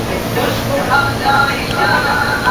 وچي مېوې بې مېلمنو نه خوړل کېږي.